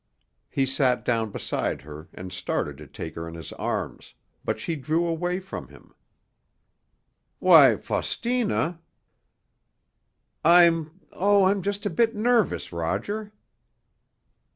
He sat down beside her and started to take her in his arms, but she drew away from him. "Why, Faustina——" "I'm—oh, I'm just a bit nervous, Roger."